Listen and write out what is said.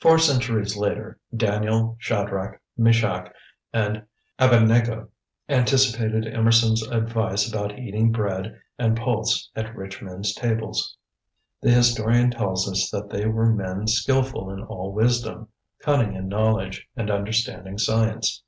Four centuries later, Daniel, Shadrach, Meshach, and Abednego anticipated Emerson's advice about eating bread and pulse at rich men's tables. The historian tells us that they were men skilful in all wisdom, cunning in knowledge, and understanding science.